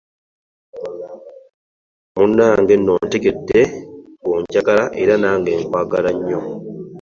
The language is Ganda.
Munnange nno ntegedde ng’onjagala era nange nkwagala nnyo.